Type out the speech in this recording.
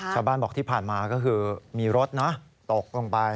ชาวบ้านบอกที่ผ่านมาก็คือมีรถนะตกลงไป